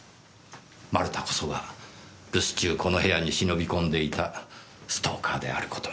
丸田こそが留守中この部屋に忍び込んでいたストーカーである事に。